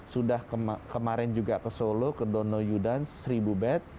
sudah kemarin juga ke solo ke dono yudan seribu bed